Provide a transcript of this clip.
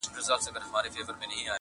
د عقل بندیوانو د حساب کړۍ ماتېږي.!